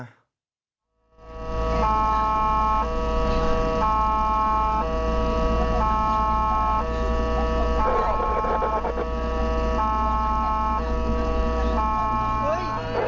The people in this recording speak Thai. เฮ้ย